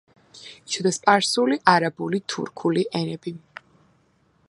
იცოდა სპარსული, არაბული, თურქული ენები.